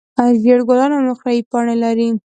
زېړ ګلان او نقریي پاڼې لري.